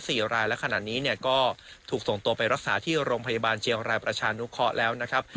สี่รายและขณะนี้เนี่ยก็ถูกส่งตัวไปรักษาที่โรงพยาบาลเชียงรายประชานุเคราะห์แล้วนะครับ